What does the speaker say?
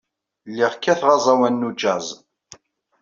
Lliɣ kkateɣ aẓawan n ujazz.